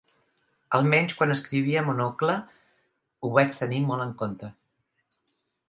Almenys quan escrivia Monocle ho vaig tenir molt en compte.